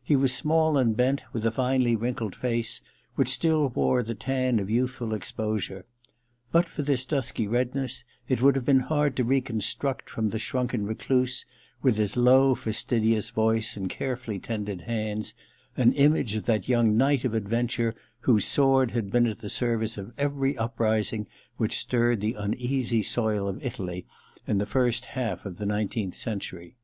He was small and bent, with a finely wrinkled face which still wore the tan of youthful exposure. But for this dusky red ness it would have been hard to reconstruct from the shrunken recluse, with his low fas tidious voice and carefully tended hands, an image of that young knight of adventure whose sword had been at the service of every uprising which stirred the uneasy soil of Italy in the first half of the nineteenth century.